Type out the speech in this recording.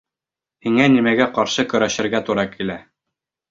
— Һиңә нимәгә ҡаршы көрәшергә тура килә?